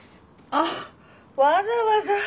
あっわざわざ。